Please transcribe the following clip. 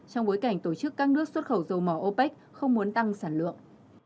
trong bối cảnh tổ chức các nước xuất khẩu dầu mỏ opec không muốn tăng sản lượng